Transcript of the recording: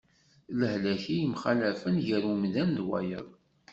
D lehlak i yemxallafen gar umdan ɣer wayeḍ.